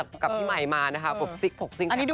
เต้นกับพี่ใหม่มานะคะพบซิกพกซิงแขกพลังกัน